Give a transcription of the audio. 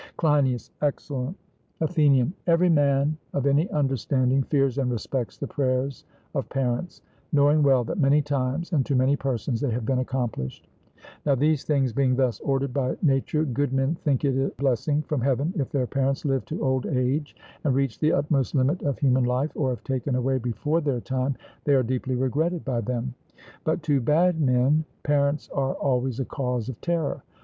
CLEINIAS: Excellent. ATHENIAN: Every man of any understanding fears and respects the prayers of parents, knowing well that many times and to many persons they have been accomplished. Now these things being thus ordered by nature, good men think it a blessing from heaven if their parents live to old age and reach the utmost limit of human life, or if taken away before their time they are deeply regretted by them; but to bad men parents are always a cause of terror.